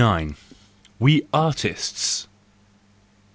We Artists